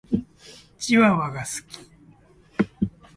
チワワが好き。